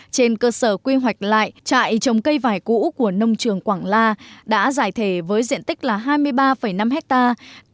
trên cơ sở quy hoạch lại trại trồng cây vải cũ của nông trường quảng la đã giải thể với diện tích là hai mươi ba năm hectare